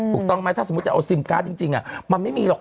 ถูกต้องไหมถ้าสมมุติจะเอาซิมการ์ดจริงมันไม่มีหรอก